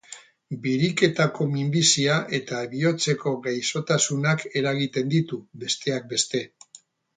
Biriketako minbizia eta bihotzeko gaixotasunak eragiten ditu, besteak beste.